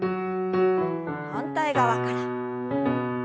反対側から。